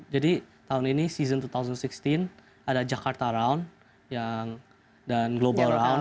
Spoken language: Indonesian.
jadi tahun ini season dua ribu enam belas ada jakarta round dan global round